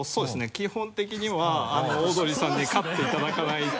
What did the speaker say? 基本的にはオードリーさんに勝っていただかないと。